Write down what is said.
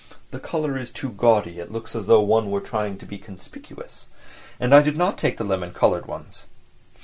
"The colour is too gaudy, it looks as though one were trying to be conspicuous," and I did not take the lemon coloured ones.